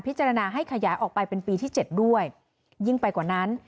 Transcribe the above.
จารณให้ขยายออกไปเป็นปีที่๗ด้วยยิ่งไปกว่านั้น